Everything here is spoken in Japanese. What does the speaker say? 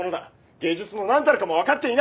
芸術の何たるかも分かっていない。